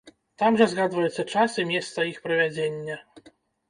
Там жа згадваецца час і месца іх правядзення.